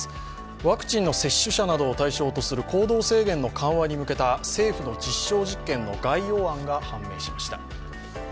ワクチンの接種者などを対象とする行動制限の緩和に向けた政府の実証実験の概要案が判明しました。